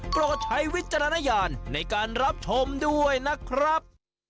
โปรดใช้วิจารณญาณในการรับชมด้วยนะครับ